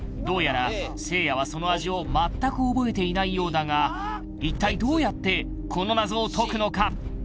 どうやらせいやはその味を全く覚えていないようだが一体どうやってこの謎を解くのか？